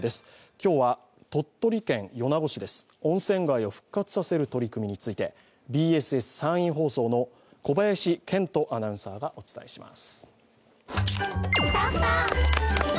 今日は鳥取県米子市です、温泉街を復活させる取り組みについてＢＳＳ山陰放送の小林健和アナウンサーがお伝えします。